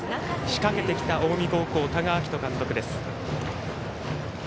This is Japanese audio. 仕掛けてきた近江高校多賀章仁監督です。